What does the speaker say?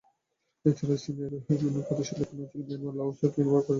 এছাড়া চীনের ইউনান প্রদেশের দক্ষিণাঞ্চল, মিয়ানমার, লাওস ও ভিয়েতনামে প্যারা হরিণ থাকতে পারে।